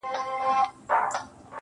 د ډک بازاره کور ته راغلمه خالي لاسونه